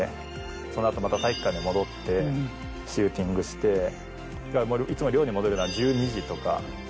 その後また体育館に戻ってシューティングしていつも寮に戻るのは１２時とか。